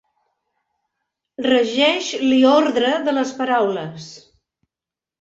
Regeix l'iordre de les paraules.